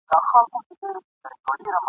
په سیالانو ګاونډیانو کي پاچا وو !.